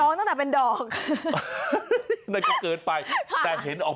จองตั้งแต่เป็นดอก